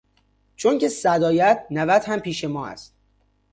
چونکه صد آید نود هم پیش ما است.